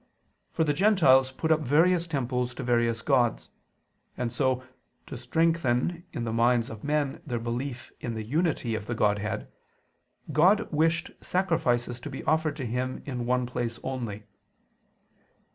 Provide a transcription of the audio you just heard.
For the Gentiles put up various temples to various gods: and so, to strengthen in the minds of men their belief in the unity of the Godhead, God wished sacrifices to be offered to Him in one place only.